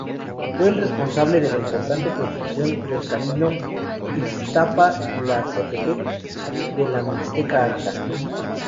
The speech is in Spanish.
Fue el responsable de la importante construcción del camino Ixtapa-Tlacotepec de la Mixteca Alta.